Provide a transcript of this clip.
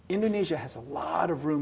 indonesia memiliki banyak ruang